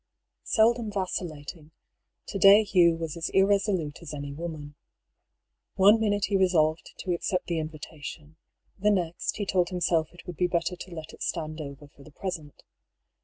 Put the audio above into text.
Seldom vacillating, to day Hugh was as irresolute as any woman. One minute he resolved to accept the in vitation, the next he told himself it would be better to let it stand over for the present.